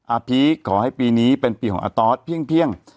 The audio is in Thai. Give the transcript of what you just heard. พีคขอให้ปีนี้เป็นปีของอาตอสเพียง